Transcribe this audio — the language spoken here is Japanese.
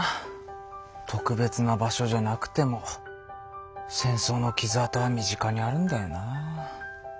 特別な場所じゃなくても戦争の傷痕は身近にあるんだよな。